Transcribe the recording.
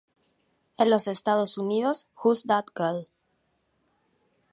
En los Estados Unidos, "Who's That Girl?